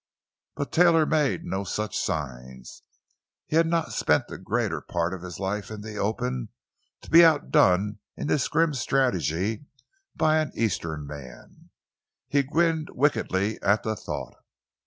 But Taylor made no such signs; he had not spent the greater part of his life in the open to be outdone in this grim strategy by an eastern man. He grinned wickedly at the thought.